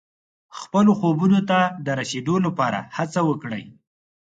خپلو خوبونو ته د رسېدو لپاره هڅه وکړئ.